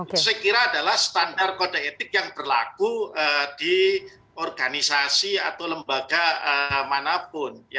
itu saya kira adalah standar kode etik yang berlaku di organisasi atau lembaga manapun